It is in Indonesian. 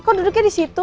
eh kok duduknya di situ